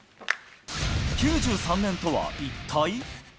９３年とは一体？